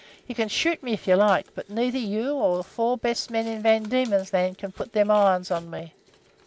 You can shoot me if you like, but neither you nor the four best men in Van Diemen's Land can put them irons on me.